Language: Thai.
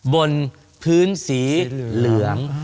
บนพื้นสีเหลือง